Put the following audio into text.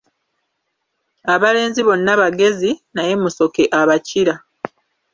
Abalenzi bonna bagezi, naye Musoke abakira.